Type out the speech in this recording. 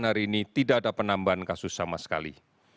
hari ini tidak ada penambahan kasus sama sekali